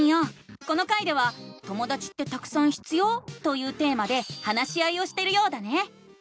この回では「ともだちってたくさん必要？」というテーマで話し合いをしてるようだね！